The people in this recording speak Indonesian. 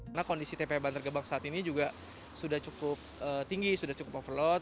karena kondisi tpi bantar gebang saat ini juga sudah cukup tinggi sudah cukup overload